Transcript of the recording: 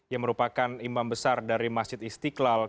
yang merupakan imam besar dari masjid istiqlal